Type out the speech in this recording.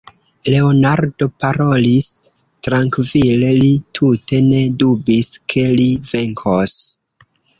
Leonardo parolis trankvile; li tute ne dubis, ke li venkos.